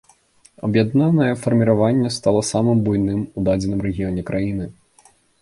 Аб'яднанае фарміраванне стала самым буйным у дадзеным рэгіёне краіны.